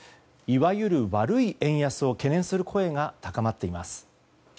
いわゆる悪い円安を懸念する声が高まっています。